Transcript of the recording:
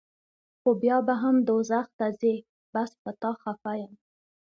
خو بیا به هم دوزخ ته ځې بس پۀ تا خفه يم